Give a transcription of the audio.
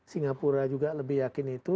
singapura juga lebih yakin itu